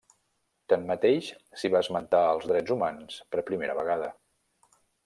Tanmateix, s'hi va esmentar els drets humans per primera vegada.